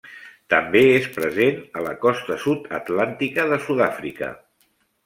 També és present a la costa sud atlàntica de Sud-àfrica.